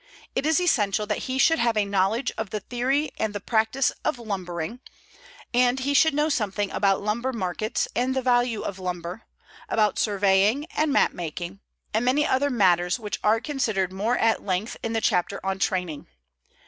It is essential that he should have a knowledge of the theory and the practice of lumbering, and he should know something about lumber markets and the value of lumber, about surveying and map making, and many other matters which are considered more at length in the Chapter on Training.